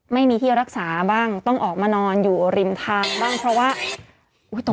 ไม่มีที่รักษาบ้างต้องออกมานอนอยู่ริมทางบ้างเพราะว่าอุ้ยตก